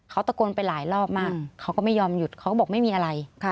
เขาตะโกนไปหลายรอบมากเขาก็ไม่ยอมหยุดเขาก็บอกไม่มีอะไร